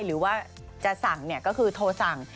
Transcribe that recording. หรือว่าจะสั่งก็คือโทรสั่ง